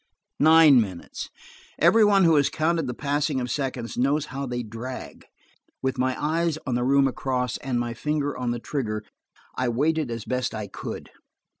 Nine minutes. Everyone who has counted the passing of seconds knows how they drag. With my eyes on the room across, and my finger on the trigger, I waited as best I could.